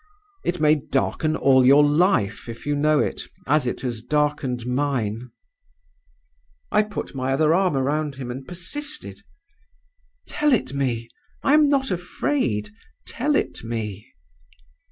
'It may darken all your life, if you know it, as it has darkened mine.' "I put my other arm round him, and persisted. 'Tell it me; I'm not afraid; tell it me.